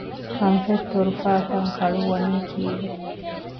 ކަންފަތް ތޮރުފާ ތަން ކަޅުވަނީ ކީއްވެ؟